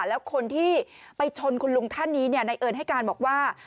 แล้วคนที่ไปชนคุณลุงท่านนี้นายเอิญให้การบอกว่า